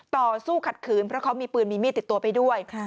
ต่อสู้ขัดขืนเพราะเขามีปืนมีมีดติดตัวไปด้วย